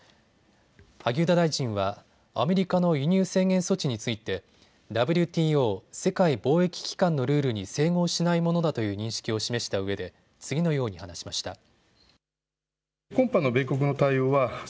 萩生田大臣はアメリカの輸入制限措置についてＷＴＯ・世界貿易機関のルールに整合しないものだという認識を示したうえで次のように話しました。